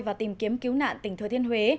và tìm kiếm cứu nạn tỉnh thừa thiên huế